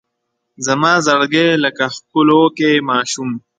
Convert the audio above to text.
زما زړګی لکه ښکلوکی ماشوم